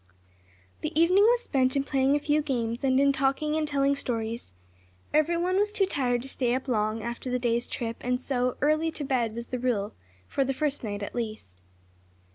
The evening was spent in playing a few games, and in talking and telling stories. Everyone was too tired to stay up long, after the day's trip, and so "early to bed" was the rule, for the first night at least.